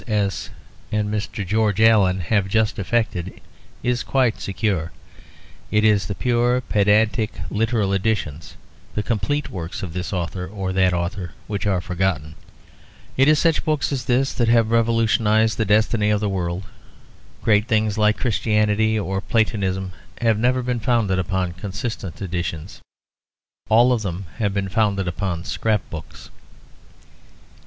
S.S." and Mr. George Allen have just effected is quite secure. It is the pure, pedantic, literal editions, the complete works of this author or that author which are forgotten. It is such books as this that have revolutionised the destiny of the world. Great things like Christianity or Platonism have never been founded upon consistent editions; all of them have been founded upon scrap books.